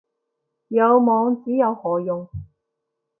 有網址有何用